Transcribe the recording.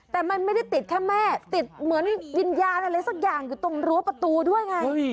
แต่มันไม่ได้ติดแค่แม่ติดเหมือนวิญญาณอะไรสักอย่างอยู่ตรงรั้วประตูด้วยไง